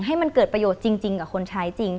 ให้มันเกิดประโยชน์จริงกับคนใช้จริง